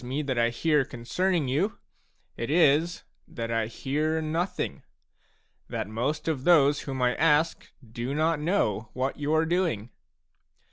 me that I hear concerning you, it is that I hear nothing, that most of those whom I ask do not know what you are doing.